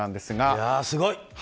すごい！